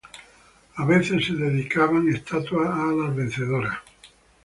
A veces se dedicaban estatuas a las vencedoras.